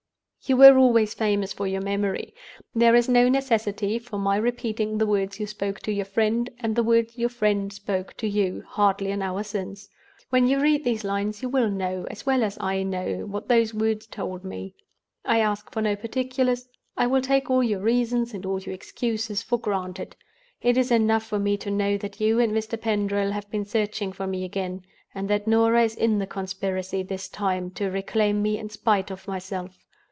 "You were always famous for your memory. There is no necessity for my repeating the words you spoke to your friend, and the words your friend spoke to you, hardly an hour since. When you read these lines, you will know, as well as I know, what those words told me. I ask for no particulars; I will take all your reasons and all your excuses for granted. It is enough for me to know that you and Mr. Pendril have been searching for me again, and that Norah is in the conspiracy this time, to reclaim me in spite of myself.